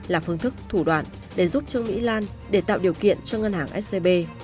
là phương thức thủ đoạn để giúp trương mỹ lan để tạo điều kiện cho ngân hàng scb